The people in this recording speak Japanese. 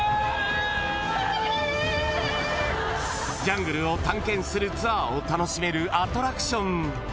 ［ジャングルを探検するツアーを楽しめるアトラクション］